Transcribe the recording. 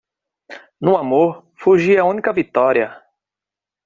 No amor, fugir é a única vitória.